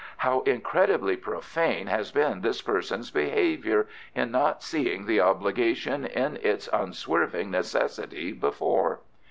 "How incredibly profane has been this person's behaviour in not seeing the obligation in its unswerving necessity before."